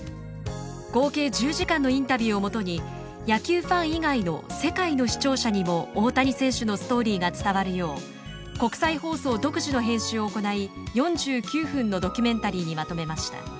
合計１０時間のインタビューをもとに野球ファン以外の世界の視聴者にも大谷選手のストーリーが伝わるよう国際放送独自の編集を行い４９分のドキュメンタリーにまとめました。